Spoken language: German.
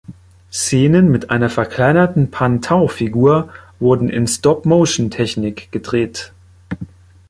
Szenen mit einer verkleinerten Pan-Tau-Figur wurden in Stop-Motion-Technik gedreht.